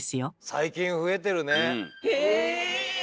最近増えてるね。